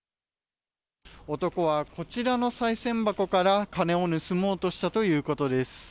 男はこちらのさい銭箱から金を盗もうとしたということです。